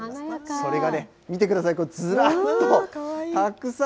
それがね、見てください、ずらっとたくさん。